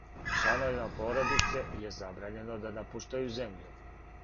Члановима породице је забрањено да напуштају земљу.